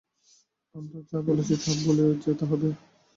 আমরা যা বলেছি তা ভুলে যেতে হবে।